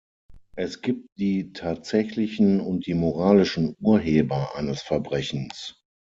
Es gibt die tatsächlichen und die moralischen Urheber eines Verbrechens.